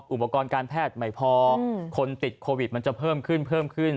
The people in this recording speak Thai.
อุปกรณ์การแพทย์ไม่พอคนติดโควิดมันจะเพิ่มขึ้นเพิ่มขึ้น